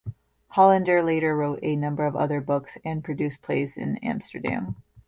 Hollander later wrote a number of other books and produced plays in Amsterdam.